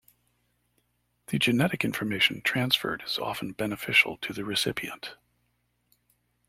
The genetic information transferred is often beneficial to the recipient.